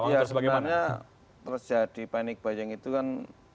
ya sebenarnya terjadi panik bayang itu kan